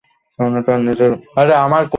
কেননা, তার নিজের অবয়বই কুৎসিত।